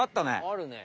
あるね。